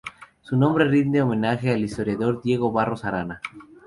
Su nombre rinde homenaje al historiador Diego Barros Arana.